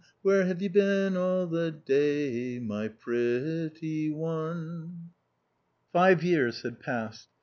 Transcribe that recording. Where have you been all the day, my pretty one?...'" Five years had passed.